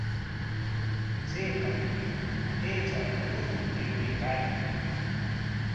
Wichaypa acha runa aywaykaayan